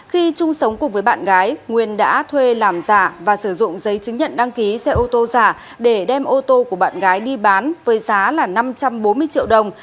khi chung sống cùng với bạn gái nguyên đã thuê làm giả và sử dụng giấy chứng nhận đăng ký xe ô tô giả để đem ô tô của bạn gái đi bán với giá là năm trăm bốn mươi triệu đồng